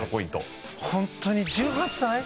「ホントに１８歳！？